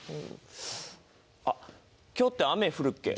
あっ今日って雨降るっけ？